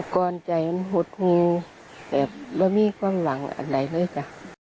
ก่อนใจมันหดหูแต่เรามีความหวังอะไรเลยจ้ะ